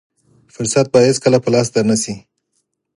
فرصت به هېڅکله په لاس در نه شي.